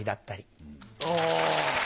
お。